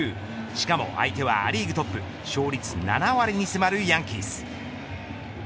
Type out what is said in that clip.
しかも相手はア・リーグトップ勝率７割に迫るヤンキース。